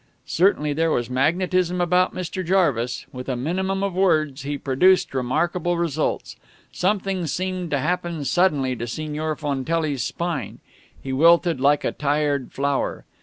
Certainly there was magnetism about Mr. Jarvis. With a minimum of words he produced remarkable results. Something seemed to happen suddenly to Signor Fontelli's spine. He wilted like a tired flower.